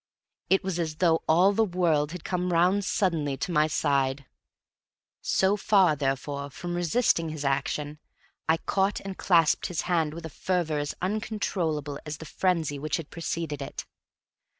It was as though all the world had come round suddenly to my side; so far therefore from resisting his action, I caught and clasped his hand with a fervor as uncontrollable as the frenzy which had preceded it.